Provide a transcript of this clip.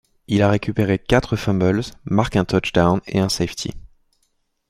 Il a récupéré quatre fumbles, marque un touchdown et un safety.